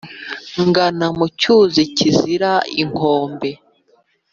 Ngana mu cyuzi kizira inkombe ?